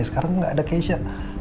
sekarang gak ada keisha